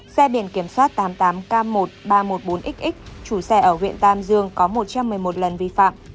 xe biển kiểm soát tám mươi tám k một nghìn ba trăm một mươi bốn xx chủ xe ở huyện tam dương có một trăm một mươi một lần vi phạm